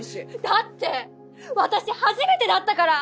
だって私初めてだったから！